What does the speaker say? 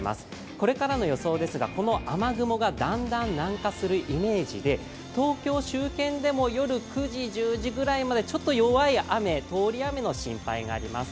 これからの予想ですが、この雨雲がだんだん南下するイメージで東京周辺でも夜９時、１０時ぐらいまでちょっと弱い雨、通り雨の心配があります。